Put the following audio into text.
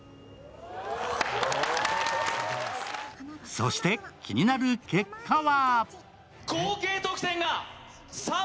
そして、気になる結果は？